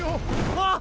あっ！